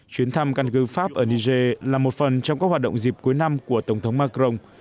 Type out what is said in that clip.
chuyến thăm căn cứ pháp ở niger là một phần trong các hoạt động dịp cuối năm của tổng thống macron